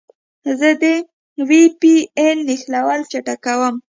زه د وي پي این نښلون چک کوم.